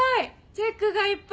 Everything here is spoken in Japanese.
チェックがいっぱい。